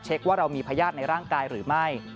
ว่าเรามีพญาติในร่างกายหรือไม่